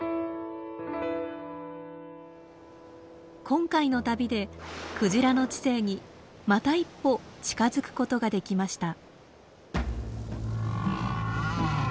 今回の旅でクジラの知性にまた一歩近づくことができました。